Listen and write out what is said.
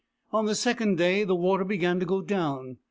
On the second day, the water began to go down.